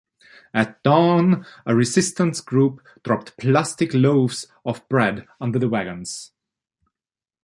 At dawn, a resistance group dropped plastic loaves of bread under the wagons.